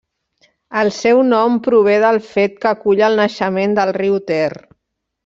El seu nom prové del fet que acull el naixement del riu Ter.